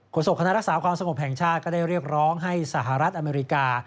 โศกคณะรักษาความสงบแห่งชาติก็ได้เรียกร้องให้สหรัฐอเมริกา